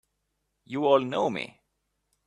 You all know me!